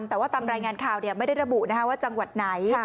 แต่ว่าตามรายงานข่าวไม่ได้ระบุว่าจังหวัดไหน